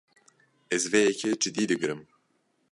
Ez vê yekê cidî digirim.